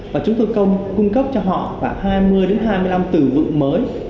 và chúng tôi cung cấp cho họ khoảng hai mươi đến hai mươi năm từ vựng mới